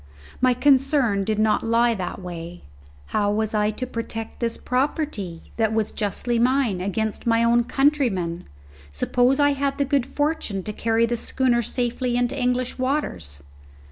My concern did not lie that way; how was I to protect this property, that was justly mine, against my own countrymen, suppose I had the good fortune to carry the schooner safely into English waters?